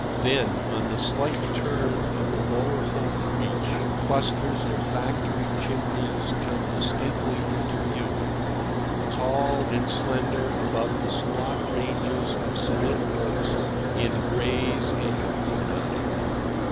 Then, on the slight turn of the Lower Hope Reach, clusters of factory chimneys come distinctly into view, tall and slender above the squat ranges of cement works in Grays and Greenhithe.